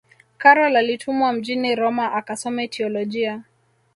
karol alitumwa mjini roma akasome teolojia